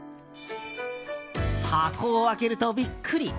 箱を開けるとビックリ。